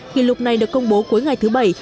kỷ lục này được công bố cuối ngày thứ bảy